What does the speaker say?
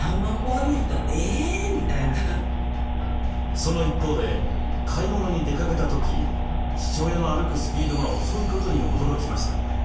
その一方で買い物に出かけた時父親の歩くスピードが遅いことに驚きました。